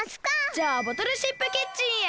じゃあボトルシップキッチンへ。